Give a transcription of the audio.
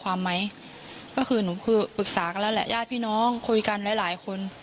ไหมก็คือหนูคือปรึกษากันแล้วแหละญาติพี่น้องคุยกันหลายหลายคน